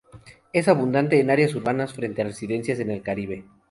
Es abundante en áreas urbanas frente a residencias en el Caribe.